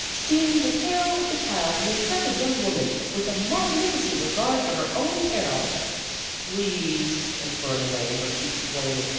' Seeing the peril of the child, the intrepid young woman, with a mag nificent disregard for her own peril " Please," implored Elaine, her cheeks fla ming.